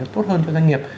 tốt hơn cho doanh nghiệp